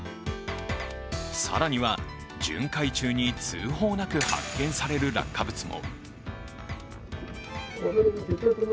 更には巡回中に通報なく発見される落下物も。